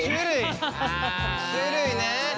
種類ね。